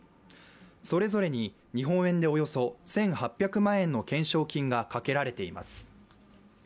それぞれに日本円でおよそ１８００万円の懸賞金がかけられています。